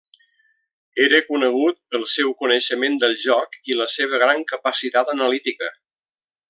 Era conegut pel seu coneixement del joc, i la seva gran capacitat analítica.